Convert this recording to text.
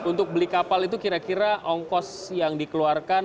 untuk beli kapal itu kira kira ongkos yang dikeluarkan